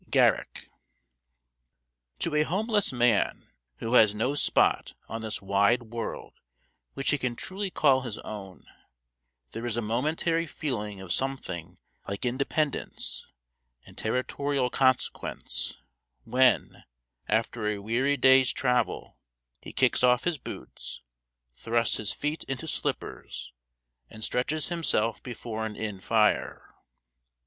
GARRICK. TO a homeless man, who has no spot on this wide world which he can truly call his own, there is a momentary feeling of something like independence and territorial consequence when, after a weary day's travel, he kicks off his boots, thrusts his feet into slippers, and stretches himself before an inn fire.